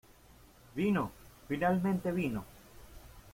¡ Vino! ¡ finalmente vino !